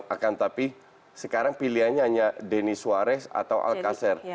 akan tapi sekarang pilihannya hanya denis suarez atau alcacer